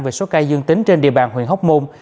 về số ca dương tính trên địa bàn huyện hóc môn